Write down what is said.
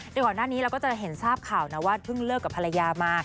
โดยก่อนหน้านี้เราก็จะเห็นทราบข่าวนะว่าเพิ่งเลิกกับภรรยามา